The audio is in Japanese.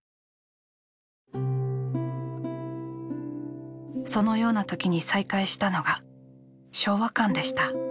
「そのような時に再会したのが昭和館でした」。